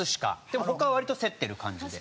でも他は割と競ってる感じで。